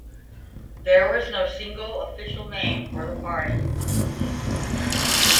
There was no single, official name for the party.